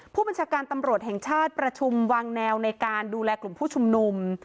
ผู้บัญชาการตำรวจแห่งชาติประชุมวางแนวในการดูแลกลุ่มผู้ชุมนุม